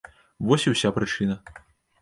Вось і ўся прычына.